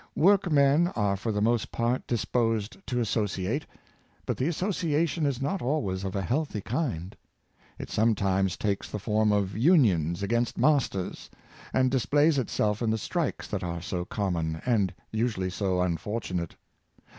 Workmen are for the most part disposed to associate; but the association is not always of a healthy kind. It sometimes takes the form of unions against masters ; and displays itself in the strikes that are so common, and usually so unfortunate.